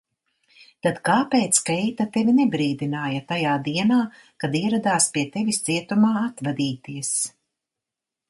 Tad kāpēc Keita tevi nebrīdināja tajā dienā, kad ieradās pie tevis cietumā atvadīties?